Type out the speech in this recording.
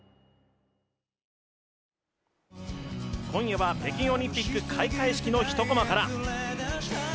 今夜は北京オリンピック開会式の一コマから。